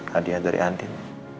hadiah dari adin